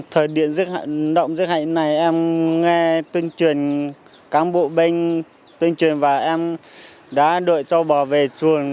thời điện diễn động diễn hành này em nghe tuyên truyền cán bộ binh tuyên truyền và em đã đội châu bò về trường